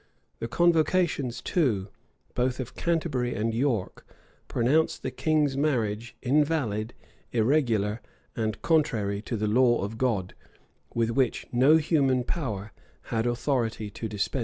[] The convocations, too, both of Canterbury and York, pronounced the king's marriage invalid, irregular, and contrary to the law of God, with which no human power had authority to dispense.